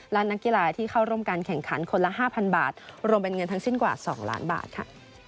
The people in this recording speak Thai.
และนักกีฬาที่เข้าร่วมการแข่งขันคนละ๕๐๐บาทรวมเป็นเงินทั้งสิ้นกว่า๒ล้านบาทค่ะ